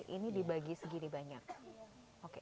ini dibagi segini banyak